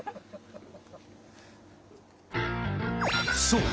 そう。